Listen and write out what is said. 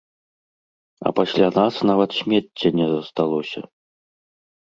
А пасля нас нават смецця не засталося.